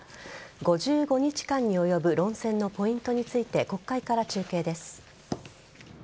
５５日間に及ぶ論戦のポイントについて国会から中継です。